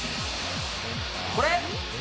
これ。